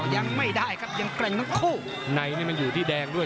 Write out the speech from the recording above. ยังไม่ได้ครับยังแกร่งทั้งคู่ในนี่มันอยู่ที่แดงด้วย